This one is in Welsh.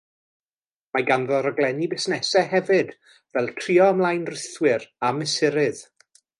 Mae ganddo raglenni busnesau hefyd fel "trio ymlaen rhithwir" a "mesurydd".